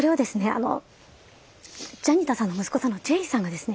あのジャニタさんの息子さんのジェイさんがですね